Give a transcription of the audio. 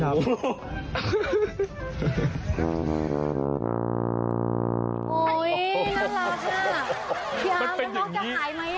พี่อามันต้องจะหายไหม